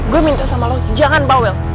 gue minta sama lo jangan bawel